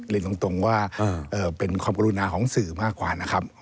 เรียนตรงว่าเป็นความกรุณาของสื่อมากกว่านะครับ